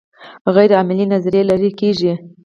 غیر عملي نظریې لرې کیږي.